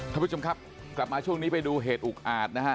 ท่านผู้ชมครับกลับมาช่วงนี้ไปดูเหตุอุกอาจนะฮะ